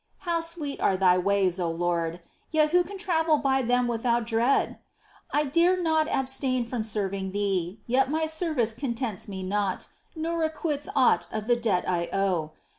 How sweet are Thy ways, O Lord ! yet who can travel by them without dread ? I dare not abstain from serving Thee, yet my service contents me not, nor acquits aught of the debt I owe.